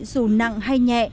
dù nặng hay nhẹ